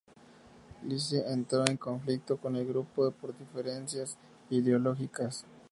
Lise entró en conflicto con el grupo por diferencias ideológicas.